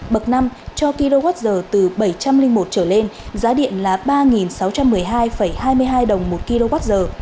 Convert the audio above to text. bậc năm cho kwh từ bảy trăm linh một trở lên giá điện là ba sáu trăm một mươi hai hai mươi hai đồng một kwh